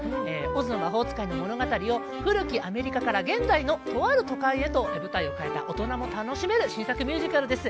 「オズの魔法使い」の物語を古きアメリカから現代のとある都会へと舞台を変えた大人も楽しめる新作ミュージカルです。